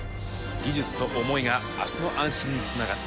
技術と思いが明日の安心につながっていく。